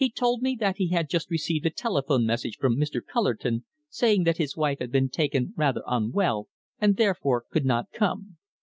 He told me that he had just received a telephone message from Mr. Cullerton saying that his wife had been taken rather unwell and therefore could not come.